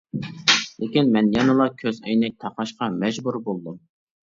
لېكىن مەن يەنىلا كۆز ئەينەك تاقاشقا مەجبۇر بولدۇم.